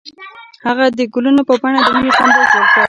هغه د ګلونه په بڼه د مینې سمبول جوړ کړ.